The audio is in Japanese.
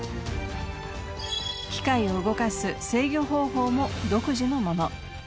機械を動かす制御方法も独自のもの。